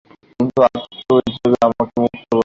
কিন্তু আত্মা হিসাবে আমরা মুক্ত।